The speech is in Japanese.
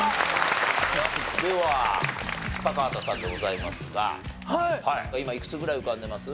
では高畑さんでございますが今いくつぐらい浮かんでます？